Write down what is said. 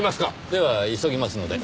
では急ぎますので。